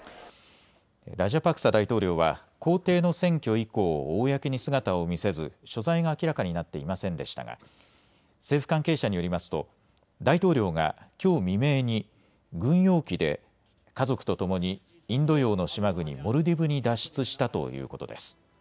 ラジャパクサ大統領は公邸の占拠以降、公に姿を見せず所在が明らかになっていませんでしたが政府関係者によりますと大統領がきょう未明に軍用機で家族と共にインド洋の島国、モルディブに脱出したということです。